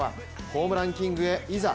ホームランキングへいざ、